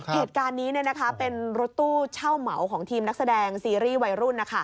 เหตุการณ์นี้เป็นรถตู้เช่าเหมาของทีมนักแสดงซีรีส์วัยรุ่น